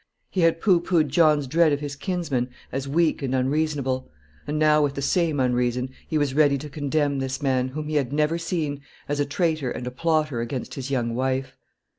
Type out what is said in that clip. He had pooh poohed John's dread of his kinsman as weak and unreasonable; and now, with the same unreason, he was ready to condemn this man, whom he had never seen, as a traitor and a plotter against his young wife.